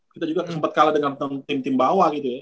kita juga sempat kalah dengan tim tim bawah gitu ya